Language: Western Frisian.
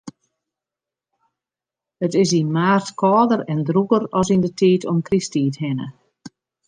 It is yn maart kâlder en drûger as yn 'e tiid om Krysttiid hinne.